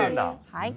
はい。